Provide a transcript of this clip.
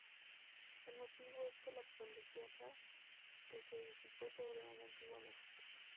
El motivo es que la Colegiata que se edificó sobre una antigua mezquita.